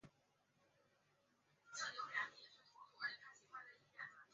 谢涵是广平省广泽府宣政县顺示总罗河社出生。